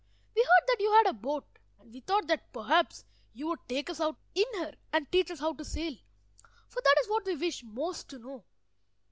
We heard that you had a boat, and we thought that perhaps you would take us out in her, and teach us how to sail, for that is what we wish most to know."